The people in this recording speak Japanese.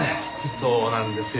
そうなんですよ。